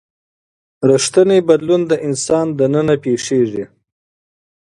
ریښتینی بدلون د انسان دننه پیښیږي.